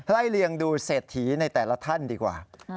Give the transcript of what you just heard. เลียงดูเศรษฐีในแต่ละท่านดีกว่า